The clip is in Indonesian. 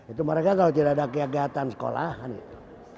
itu mereka kalau tidak ada kegiatan sekolahan itu